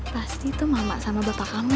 pasti itu mama sama bapak kamu ya